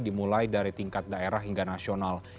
dimulai dari tingkat daerah hingga nasional